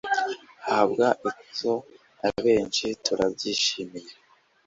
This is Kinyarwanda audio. habwa ikuzo na benshi. turabyishimiye